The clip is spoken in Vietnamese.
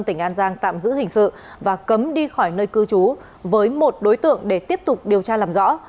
tỉnh an giang tạm giữ hình sự và cấm đi khỏi nơi cư trú với một đối tượng để tiếp tục điều tra làm rõ